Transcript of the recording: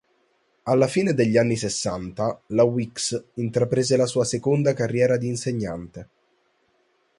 Alla fine degli anni Sessanta, la Wicks intraprese la sua seconda carriera di insegnante.